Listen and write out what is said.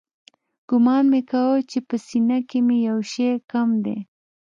ګومان مې کاوه چې په سينه کښې مې يو شى کم دى.